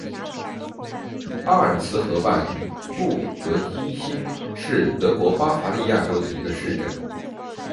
阿尔茨河畔布格基兴是德国巴伐利亚州的一个市镇。